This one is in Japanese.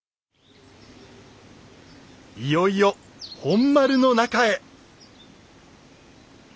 いよいよ本丸の中へ。